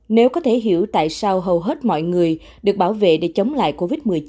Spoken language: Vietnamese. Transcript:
nếu có thể hiểu tại sao hầu hết mọi người được bảo vệ để chống lại covid một mươi chín